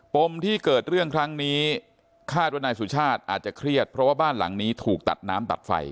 มที่เกิดเรื่องครั้งนี้คาดว่านายสุชาติอาจจะเครียดเพราะว่าบ้านหลังนี้ถูกตัดน้ำตัดไฟ